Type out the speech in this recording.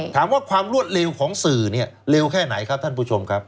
ความรวดเร็วของสื่อเนี่ยเร็วแค่ไหนครับท่านผู้ชมครับ